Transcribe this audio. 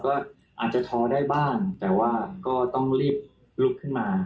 ก็อาจจะท้อได้บ้างแต่ว่าก็ต้องรีบลุกขึ้นมา